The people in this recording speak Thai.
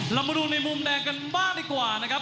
เรามาดูในมุมแดงกันบ้างดีกว่านะครับ